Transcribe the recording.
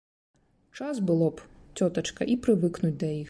Час было б, цётачка, і прывыкнуць да іх.